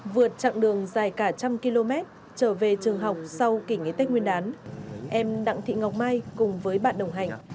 vượt chặng đường dài cả trăm km trở về trường học sau kỷ nghỉ tết nguyên đán em đặng thị ngọc mai cùng với bạn đồng hành